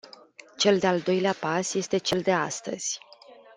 Cel de-al doilea pas este cel de astăzi.